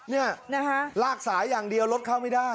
นี่ลากสายอย่างเดียวรถเข้าไม่ได้